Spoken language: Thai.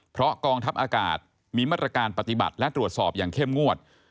เพราะกองทัพอากาศมีมาตรการปฏิบัติและตรวจสอบอย่างเข้มงวด